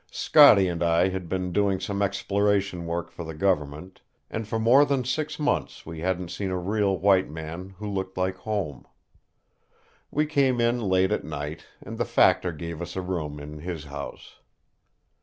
Scotty and I had been doing some exploration work for the government, and for more than six months we hadn't seen a real white man who looked like home. We came in late at night, and the factor gave us a room in his house.